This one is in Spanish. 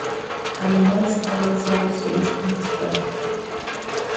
Además, ha lanzado seis "mixtapes".